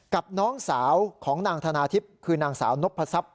กับน้องสาวของนางธนาทิพย์คือนางสาวนพศัพย